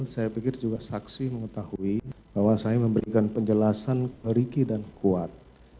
saya pikir juga saksi mengetahui bahwa saya memberikan penjelasan ricky dan kuat